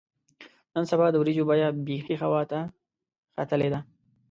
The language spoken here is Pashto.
نن سبا د وریجو بیه بیخي هوا ته ختلې ده.